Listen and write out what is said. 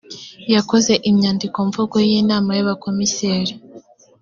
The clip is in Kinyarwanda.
yakoze inyandikomvugo y’inama y’abakomiseri